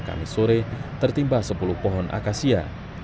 kamis sore tertimba sepuluh pohon akasia